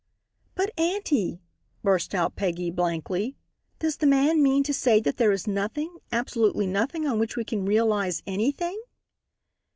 "But, auntie," burst out Peggy, blankly, "does the man mean to say that there is nothing, absolutely nothing, on which we can realize anything?"